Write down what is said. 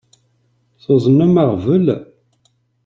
Tuḍnem aɣbel?